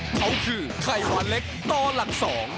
เขาคือไข่หวานเล็กต่อหลัก๒